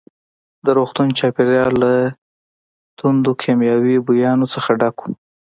د روغتون چاپېریال له توندو کیمیاوي بویانو څخه ډک وو.